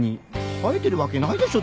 生えてるわけないでしょ